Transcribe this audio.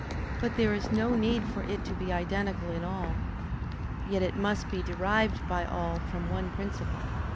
But there is no need for it to be identical in all. Yet it must be derived by all from one principle.